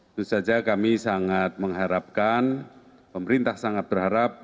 itu saja kami sangat mengharapkan pemerintah sangat berharap